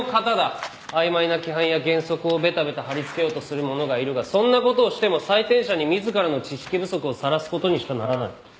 曖昧な規範や原則をベタベタ張り付けようとする者がいるがそんなことをしても採点者に自らの知識不足をさらすことにしかならない。